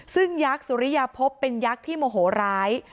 ซึ่งยักษ์สุริยาพบเป็นยักษ์ที่โมโหร้าย